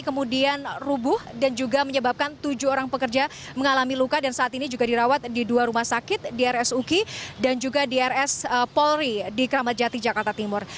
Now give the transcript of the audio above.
kemudian rubuh dan juga menyebabkan tujuh orang pekerja mengalami luka dan saat ini juga dirawat di dua rumah sakit di rsuki dan juga di rs polri di keramat jati jakarta timur